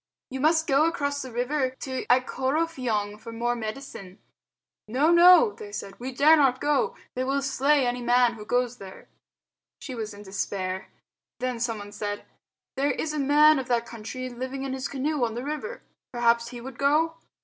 "You must go across the river to Ikorofiong for more medicine." "No, no!" they said, "we dare not go. They will slay any man who goes there." She was in despair. Then someone said, "There is a man of that country living in his canoe on the river. Perhaps he would go?"